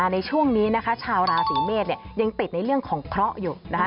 ในช่วงนี้นะคะชาวราศีเมษยังติดในเรื่องของเคราะห์อยู่นะคะ